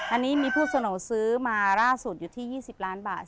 อันนี้มีผู้เสนอซื้อมาล่าสุดอยู่ที่๒๐ล้านบาท